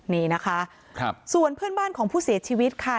นี่นะคะส่วนเพื่อนบ้านของผู้เสียชีวิตค่ะ